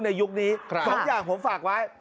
ในยุคนี้ครับสองอย่างผมฝากไว้